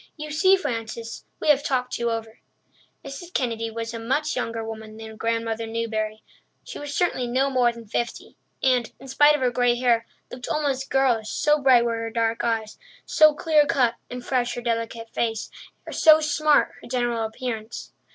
You see, Frances, we have talked you over." Mrs. Kennedy was a much younger woman than Grandmother Newbury. She was certainly no more than fifty and, in spite of her grey hair, looked almost girlish, so bright were her dark eyes, so clear cut and fresh her delicate face, and so smart her general appearance.